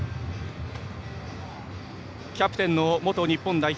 キャプテンの元日本代表